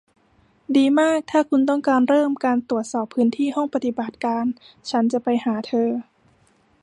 ดีมากถ้าคุณต้องการเริ่มการตรวจสอบพื้นที่ห้องปฏิบัติการฉันจะไปหาเธอ